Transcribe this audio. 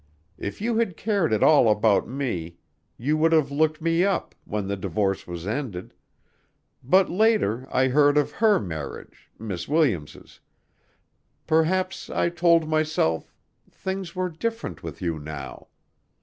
If you had cared at all about me, you would have looked me up when the divorce was ended.... But later I heard of her marriage Miss Williams'.... Perhaps, I told myself, things were different with you now.